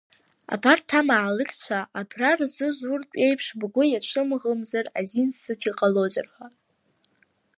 Абарҭ амаалықьцәа абра рзызуртә еиԥш бгәы иацәымӷымзар, азин сыҭ, иҟалозар ҳәа.